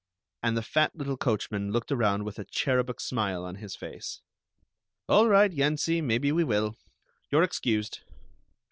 So!" And the fat little coachman looked around with a cherubic smile on his face. "All right, Yensie, maybe we will. You're excused.